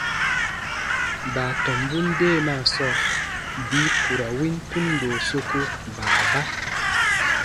Baatɔmbun deemaa sɔɔ bii ku ra win tundo soku baaba.